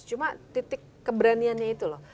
cuma titik keberaniannya itu loh